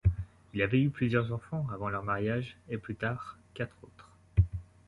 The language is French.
Ils avaient eu plusieurs enfants avant leur mariage, et plus tard, quatre autres.